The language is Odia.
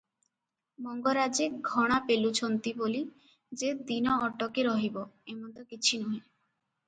ମଙ୍ଗରାଜେ ଘଣା ପେଲୁଛନ୍ତି ବୋଲି ଯେ ଦିନ ଅଟକି ରହିବ, ଏମନ୍ତ କିଛି ନୁହେଁ ।